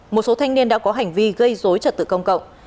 một thanh niên đã có hành vi gây rối trật tự công cộng